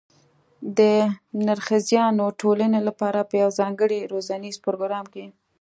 د نرښځیانو ټولنې لپاره په یوه ځانګړي روزنیز پروګرام کې